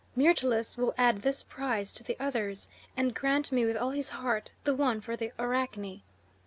Myrtilus will add this prize to the others, and grant me with all his heart the one for the Arachne.